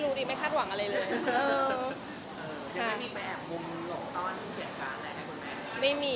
ยังไม่มีแหมกมุมหลวงส้อนเหตุการณ์อะไรไหม